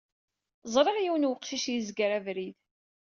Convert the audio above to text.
Ẓriɣ yiwen weqcic yezger abrid.